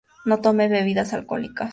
No tome bebidas alcohólicas.